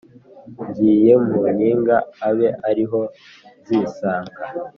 ngiye mu nkiga abe ari ho zinsanga